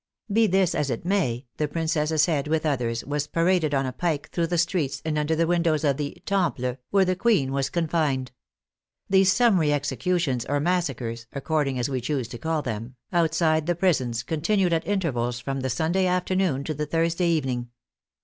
Be this as it may, the princess's head, with others, was paraded on a pike through the streets and under the windows of the " Temple," where the queen was confined. These summary executions or massacres (according as we choose to call them) outside the prisons, continued at intervals from the Sunday after noon to the Thursday evening.